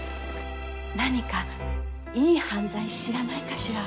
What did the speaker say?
何かいい犯罪知らないかしら。